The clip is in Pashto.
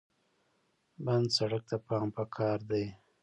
بند سړک ته پام پکار دی.